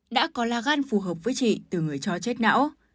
đã có lá gan phù hợp với chị từ người cho chết não